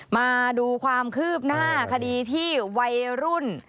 มาดูความคืบหน้าคดีที่วัยรุ่น